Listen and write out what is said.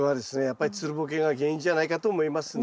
やっぱりつるボケが原因じゃないかと思いますね。